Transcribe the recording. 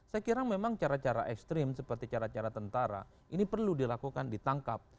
saya kira memang cara cara ekstrim seperti cara cara tentara ini perlu dilakukan ditangkap